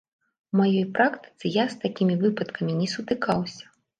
У маёй практыцы я з такімі выпадкамі не сутыкаўся.